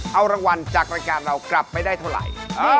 เอารางวัลจากรายการเรากลับไม่ได้เท่าไหร่